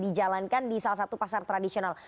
dijalankan di salah satu pasar tradisional